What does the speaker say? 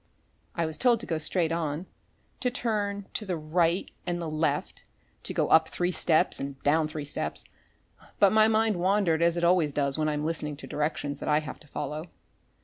I was told to go straight on, to turn to the right and the left, to go up three steps and down three steps but my mind wandered as it always does when I am listening to directions that I have to follow.